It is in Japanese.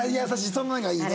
そんなのがいいね。